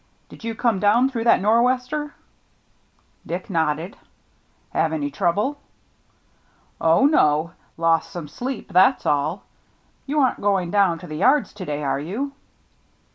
" Did you come down through that nor'wester ?" Dick nodded. " Have any trouble ?"" Oh, no. Lost some sleep — that's all. You aren't going down to the yards to day, are you